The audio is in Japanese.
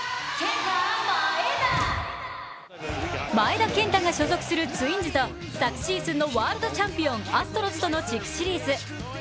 前田健太が所属するツインズと昨シーズンのワールドチャンピオン、アストロズとの地区シリーズ。